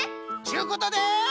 ちゅうことで。